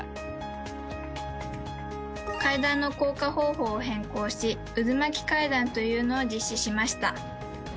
階段の降下方法を変更し渦巻階段というのを実施しました。